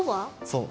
そう。